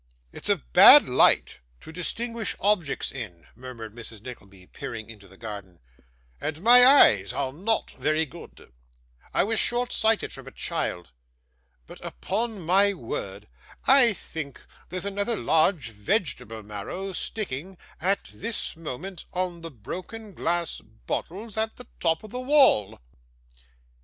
'It's a bad light to distinguish objects in,' murmured Mrs. Nickleby, peering into the garden, 'and my eyes are not very good I was short sighted from a child but, upon my word, I think there's another large vegetable marrow sticking, at this moment, on the broken glass bottles at the top of the wall!